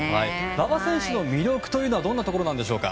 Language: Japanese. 馬場選手の魅力はどんなところなんでしょうか。